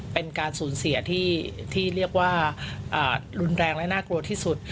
เป็นการสูญเสียที่เรียกว่ารุนแรงและน่ากลัวที่สุด